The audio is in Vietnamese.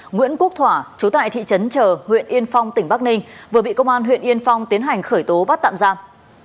nguyễn quốc thỏa chú tại thị trấn chờ huyện yên phong tỉnh bắc ninh vừa bị công an huyện yên phong tiến hành khởi tố bắt tạm giam